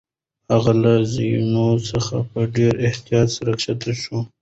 هغه له زینو څخه په ډېر احتیاط سره کښته شوه.